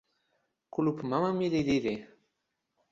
kulupu mama mi li lili.